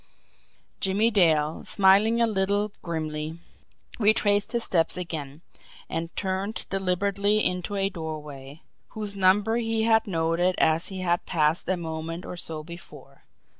Jimmie Dale, smiling a little grimly, retraced his steps again, and turned deliberately into a doorway whose number he had noted as he had passed a moment or so before.